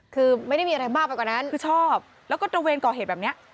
คือไม่ได้มีอะไรมากไปกว่านั้นคือชอบแล้วก็ตระเวนก่อเหตุแบบนี้